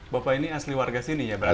bapak ini asli warga sini ya berarti